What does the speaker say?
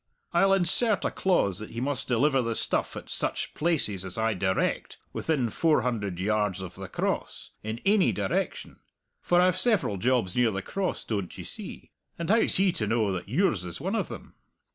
I'll insert a clause that he must deliver the stuff at such places as I direct within four hundred yards of the Cross, in ainy direction for I've several jobs near the Cross, doan't ye see, and how's he to know that yours is one o' them?